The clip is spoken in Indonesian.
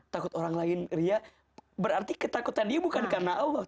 takut orang lain ria berarti ketakutan dia bukan karena allah